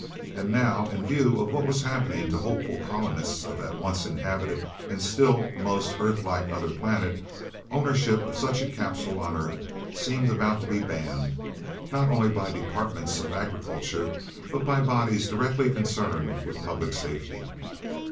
And now, in view of what was happening to hopeful colonists of that once inhabited and still most Earth like other planet, ownership of such a capsule on Earth seemed about to be banned, not only by departments of agriculture, but by bodies directly concerned with public safety.